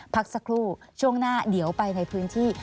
พักสักครู่ช่วงหน้าเดี๋ยวไปในพื้นที่